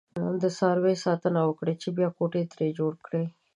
د خاورې ساتنه وکړئ! چې بيا کوټې ترې جوړې کړئ.